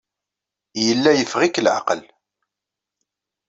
Yella yeffeɣ-ik leɛqel.